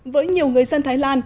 với nhiều người dân thái lan